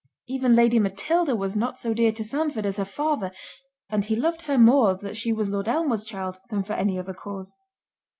Even Lady Matilda was not so dear to Sandford as her father—and he loved her more that she was Lord Elmwood's child, than for any other cause.